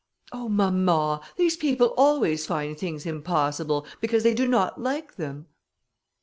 "Oh! mamma, these people always find things impossible, because they do not like them."